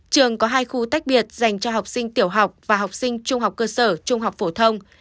trường có hai khu tách biệt dành cho học sinh tiểu học và học sinh trung học cơ sở trung học phổ thông